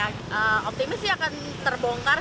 saya optimis sih akan terbongkar